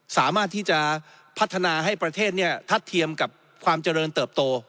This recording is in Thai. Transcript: สามารถที่จะพัฒนาให้ประเทศทัดเทียมกับความเจริญเติบโต